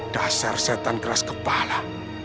dasar setan keras kepala